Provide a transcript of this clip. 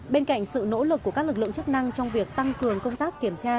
bên cạnh sự nỗ lực của các lực lượng chức năng trong việc tăng cường công tác kiểm tra